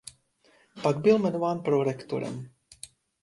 Pak byl jmenován prorektorem.